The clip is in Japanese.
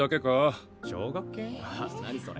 何それ？